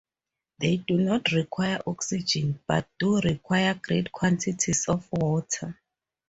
They do not require oxygen, but do require great quantities of water.